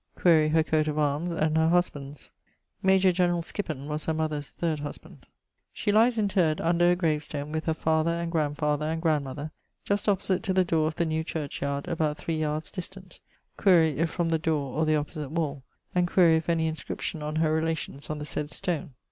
Quaere her coat of arms, and her husband's. Major Generall Skippen was her mother's third husband. 'She lies interred under a gravestone with her father and grandfather and grandmother, just opposite to the dore of the new churchyard, about 3 yards distant' quaere if from the doore or the opposite wal; and quaere if any inscription on her relations on the said stone.